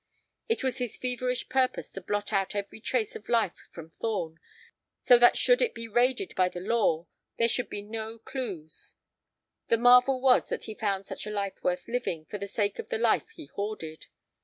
It was his feverish purpose to blot out every trace of life from Thorn, so that should it be raided by the Law there should be no clews. The marvel was that he found such a life worth living for the sake of the life he hoarded.